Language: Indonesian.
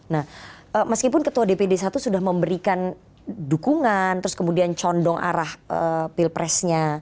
nah meskipun ketua dpd satu sudah memberikan dukungan terus kemudian condong arah pilpresnya